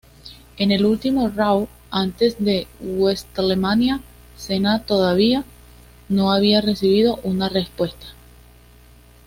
En el último "Raw" antes de WrestleMania, Cena todavía no había recibido una respuesta.